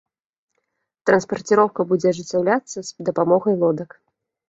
Транспарціроўка будзе ажыццяўляцца з дапамогай лодак.